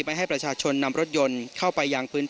ไม่ให้ประชาชนนำรถยนต์เข้าไปยังพื้น